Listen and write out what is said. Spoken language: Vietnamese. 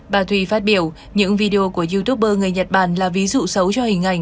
bà thùy phát biểu những video của youtuber người nhật bản là ví dụ xấu cho hình ảnh